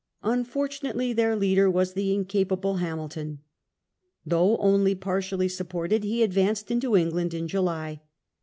Unfortunately their leader was the incapable • Hamilton. Though only partially supported he advanced into England in July.